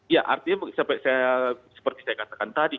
ya artinya seperti saya katakan tadi